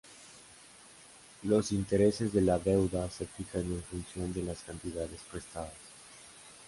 Los intereses de la deuda se fijan en función de las cantidades prestadas.